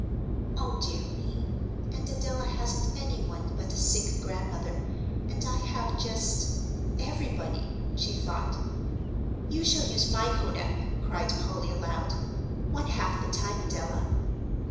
"O dear me and Adela hasn't any one but a sick grandmother and I have just everybody," she thought "You shall use my kodak," cried Polly, aloud, "one half the time, Adela."